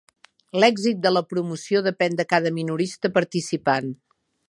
L'èxit de la promoció depèn de cada minorista participant.